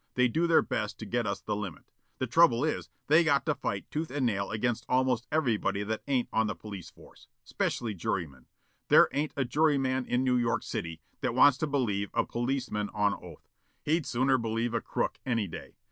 They do their best to get us the limit. The trouble is, they got to fight tooth and nail against almost everybody that ain't on the police force. Specially jurymen. There ain't a juryman in New York City that wants to believe a policeman on oath. He'd sooner believe a crook, any day.